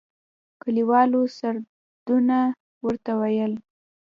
کلیوالو سردنه ورته ويل.